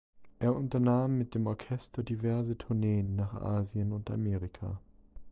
Er unternahm mit dem Orchester diverse Tourneen nach Asien und Amerika.